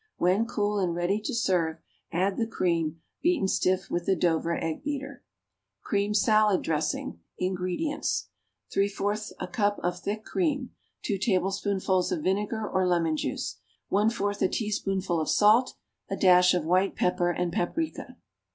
When cool and ready to serve, add the cream, beaten stiff with the Dover egg beater. =Cream Salad Dressing.= INGREDIENTS. 3/4 a cup of thick cream. 2 tablespoonfuls of vinegar or lemon juice. 1/4 a teaspoonful of salt. A dash of white pepper and paprica.